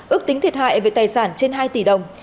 ước tính thiệt hại về tài sản trên hai tỷ đồng